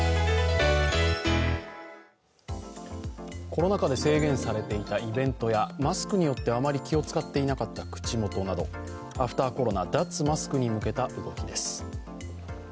コロナ禍で制限されていたイベントやマスクによってあまり気を遣っていなかった口元などアフターコロナ、脱マスクに向けた動きです。